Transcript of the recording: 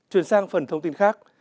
chuyển sang phần thông tin khác